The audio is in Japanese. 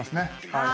はい。